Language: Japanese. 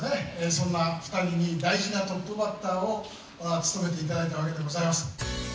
そんな２人に大事なトップバッターを務めて頂いたわけでございます。